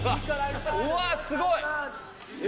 うわすごい！え！